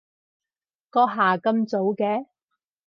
閣下咁早嘅？